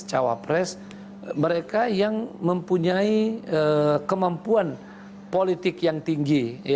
cawapres mereka yang mempunyai kemampuan politik yang tinggi